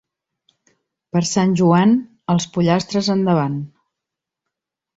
Per Sant Joan, els pollastres endavant.